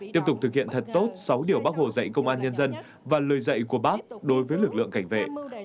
tiếp tục thực hiện thật tốt sáu điều bác hồ dạy công an nhân dân và lời dạy của bác đối với lực lượng cảnh vệ